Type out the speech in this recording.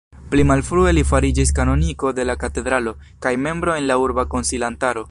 Pli malfrue li fariĝis kanoniko de la katedralo, kaj membro en la Urba Konsilantaro.